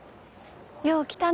よう来たね。